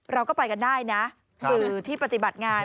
เราก็ไปกันได้นะสื่อที่ปฏิบัติงาน